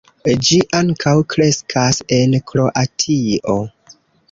Ĝi ankaŭ kreskas en Kroatio.